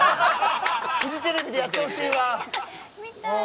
フジテレビでやってほしいわ。